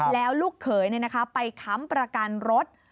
แล้วลูกเขยไปค้ำประกันรถ